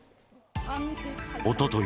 おととい